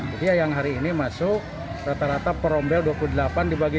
jadi yang hari ini masuk rata rata per rombel dua puluh delapan dibagi dua